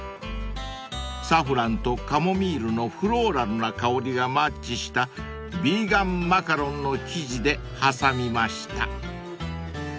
［サフランとカモミールのフローラルな香りがマッチしたヴィーガンマカロンの生地で挟みました］